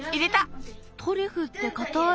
トリュフってかたい。